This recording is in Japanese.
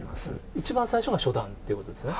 一番最初が初段ってことですね。